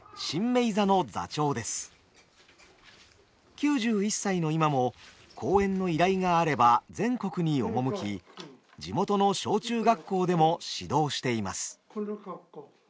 ９１歳の今も公演の依頼があれば全国に赴き地元の小中学校でも指導しています。